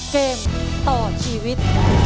เกมต่อชีวิต